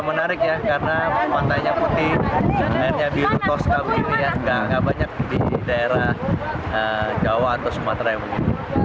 enggak banyak di daerah jawa atau sumatera yang begitu